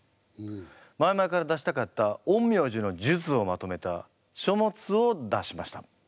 前々から出したかった陰陽師の術をまとめた書物を出しました。